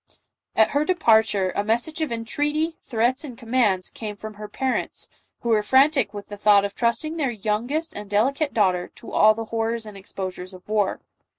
At her departure, a message of entreaty, threats and commands came from her parents, who were frantic with the thought of trust ing their youngest and delicate daughter to all the hor rors and exposures of war.